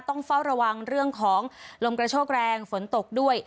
ต้องเฝ้าระวังเรื่องของลมกระโชกแรงฝนตกด้วย